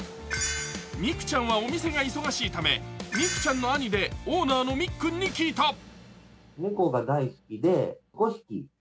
ミクちゃんはお店が忙しいため、ミクちゃんの兄でオーナーのみっくんに聞いた。